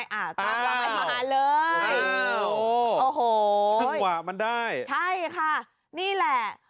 ต้องลองให้มาหาเลยอ้าวโอ้โหซึ่งหวะมันได้ใช่ค่ะนี่แหละ